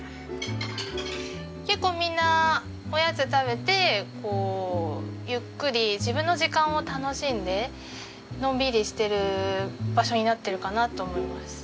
結構みんなおやつ食べてこうゆっくり自分の時間を楽しんでのんびりしてる場所になってるかなと思います。